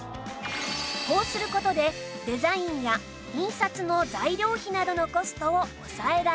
こうする事でデザインや印刷の材料費などのコストを抑えられます